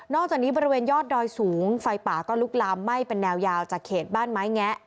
จากนี้บริเวณยอดดอยสูงไฟป่าก็ลุกลามไหม้เป็นแนวยาวจากเขตบ้านไม้แงะ